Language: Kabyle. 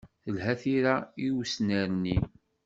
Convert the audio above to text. Telha tira i usnerni.